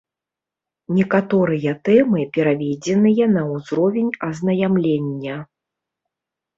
Некаторыя тэмы пераведзеныя на ўзровень азнаямлення.